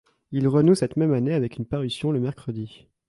Il renoue cette même année avec une parution le mercredi.